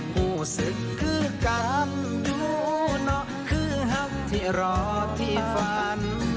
รู้สึกคือการดูเนาะคือหักที่รอที่ฝัน